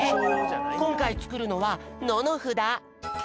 こんかいつくるのは「の」のふだ！